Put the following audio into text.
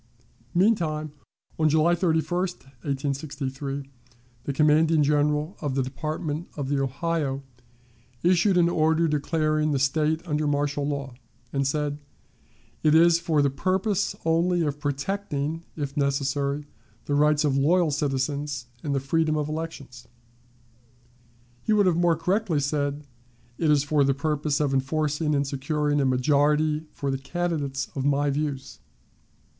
Meantime, on July 31, 1863, the commanding General of the Department of the Ohio issued an order declaring the State under martial law, and said, "It is for the purpose, only, of protecting, if necessary, the rights of loyal citizens and the freedom of elections." He would have more correctly said, "It is for the purpose of enforcing and securing a majority for the candidates of my views."